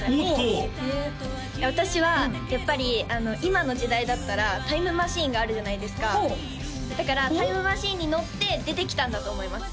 おっと私はやっぱり今の時代だったらタイムマシンがあるじゃないですかだからタイムマシンに乗って出てきたんだと思います